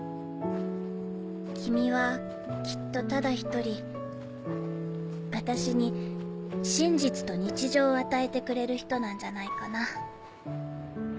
君はきっとただ１人私に真実と日常を与えてくれる人なんじゃないかな。